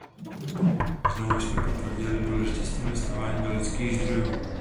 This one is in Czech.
Znovu jsme potvrdili důležitost investování do lidských zdrojů.